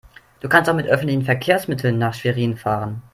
Du kannst doch mit öffentlichen Verkehrsmitteln nach Schwerin fahren